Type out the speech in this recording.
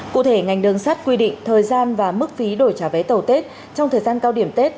cụ thể ngành đường sắt quy định thời gian và mức phí đổi trả vé tàu tết trong thời gian cao điểm tết